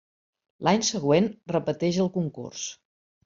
L’any següent repeteix el concurs.